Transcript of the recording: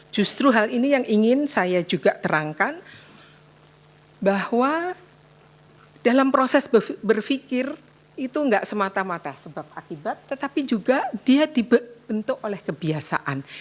justru hal ini yang ingin saya juga terangkan bahwa dalam proses berpikir itu nggak semata mata sebab akibat tetapi juga dia dibentuk oleh kebiasaan